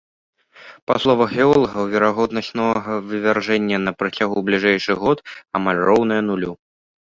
Па словах геолагаў, верагоднасць новага вывяржэння на працягу бліжэйшых год амаль роўная нулю.